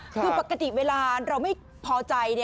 คือปกติเวลาเราไม่พอใจ